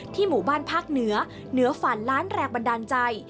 หมู่บ้านภาคเหนือเหนือฝันล้านแรงบันดาลใจ